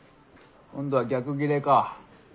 今度は逆ギレか。